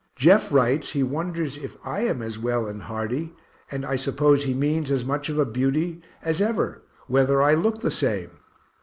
Jeff writes he wonders if I am as well and hearty, and I suppose he means as much of a beauty as ever, whether I look the same.